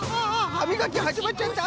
はみがきはじまっちゃった！